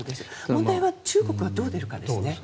問題は中国がどう出るかですね。